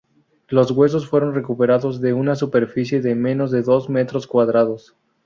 Los huesos fueron recuperados de una superficie de menos de dos metros cuadrados.